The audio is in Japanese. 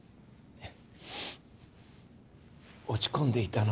えっ？